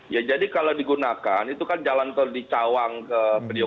ya jadi kalau digunakan itu kan jalan tol di cawang ke priok